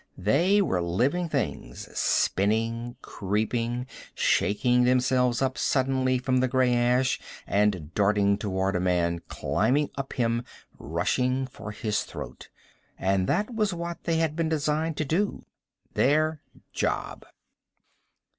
They were living things, spinning, creeping, shaking themselves up suddenly from the gray ash and darting toward a man, climbing up him, rushing for his throat. And that was what they had been designed to do. Their job.